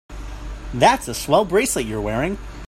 That's a swell bracelet you're wearing.